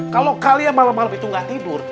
kalau kalian malem malem itu ga tidur